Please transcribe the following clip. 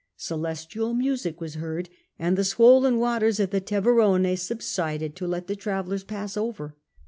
Celestial music was heard, and the swollen waters of the Teverone subsided to let the travellers pass over.